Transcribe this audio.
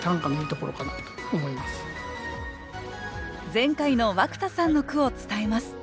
前回の涌田さんの句を伝えます